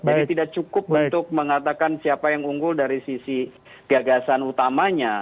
jadi tidak cukup untuk mengatakan siapa yang unggul dari sisi gagasan utamanya